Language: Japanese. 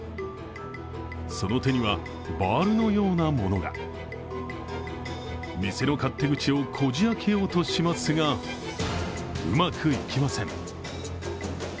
その手にはバールのようなものが店の勝手口をこじ開けようとしますが、うまくいきません。